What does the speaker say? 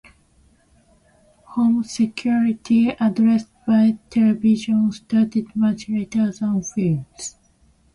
Homosexuality addressed by television started much later than films.